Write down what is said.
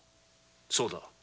そうだ！